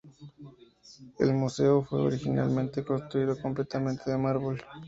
El museo fue originalmente construido completamente de mármol.